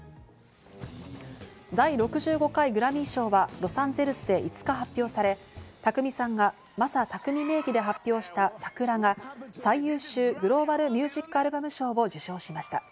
第６５回グラミー賞はロサンゼルスで５日発表され、宅見さんがＭＡＳＡＴＡＫＵＭＩ名義で発表した『ＳＡＫＵＲＡ』が最優秀グローバル・ミュージック・アルバム賞を受賞しました。